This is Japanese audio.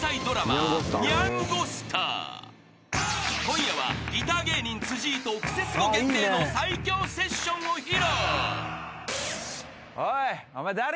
［今夜はギター芸人辻井と『クセスゴ』限定の最強セッションを披露］